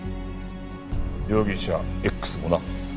容疑者Ｘもな。